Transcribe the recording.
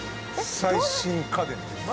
最新家電です。